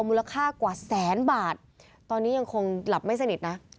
มูลค่ากว่าแสนบาทตอนนี้ยังคงหลับไม่สนิทนะ